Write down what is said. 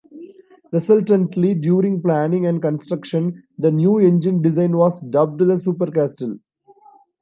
Resultantly, during planning and construction, the new engine design was dubbed the "Super-Castle".